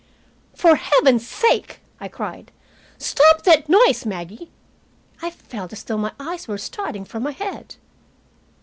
"For heaven's sake!" I cried. "Stop that noise, Maggie." I felt as though my eyes were starting from my head.